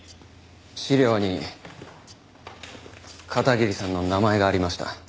資料に片桐さんの名前がありました。